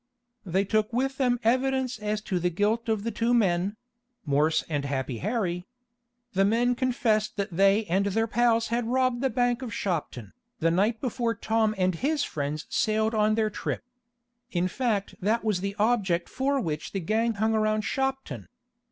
They took with them evidence as to the guilt of the two men Morse and Happy Harry. The men confessed that they and their pals had robbed the bank of Shopton, the night before Tom and his friends sailed on their trip. In fact that was the object for which the gang hung around Shopton.